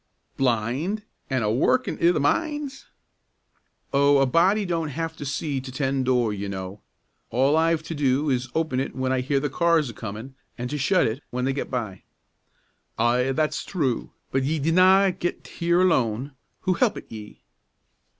"Blind! An' a workin' i' the mines?" "Oh, a body don't have to see to 'tend door, you know. All I've to do is to open it when I hear the cars a comin', an' to shut it when they get by." "Aye, that's true; but ye did na get here alone. Who helpit ye?"